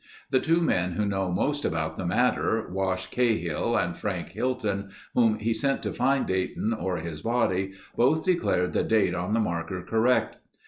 The two men who know most about the matter, Wash Cahill and Frank Hilton, whom he sent to find Dayton or his body, both declared the date on the marker correct.